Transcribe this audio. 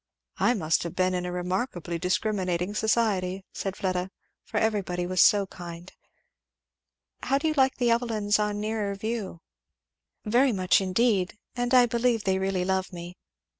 "I must have been in a remarkably discriminating society," said Fleda, "for everybody was very kind!" "How do you like the Evelyns on a nearer view?" "Very much indeed; and I believe they really love me.